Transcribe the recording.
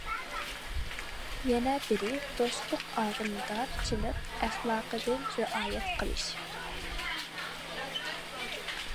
يەنە بىرى، دوستلۇق-ئاغىنىدارچىلىق ئەخلاقىغا رىئايە قىلىش.